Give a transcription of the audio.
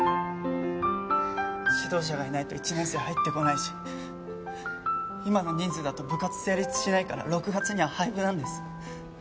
指導者がいないと１年生入ってこないし今の人数だと部活成立しないから６月には廃部なんです。